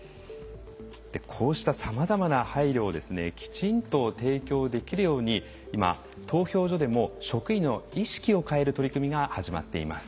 こうしたさまざまな配慮をきちんと提供できるように今投票所でも職員の意識を変える取り組みが始まっています。